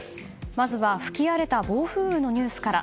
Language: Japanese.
まずは吹き荒れた暴風雨のニュースから。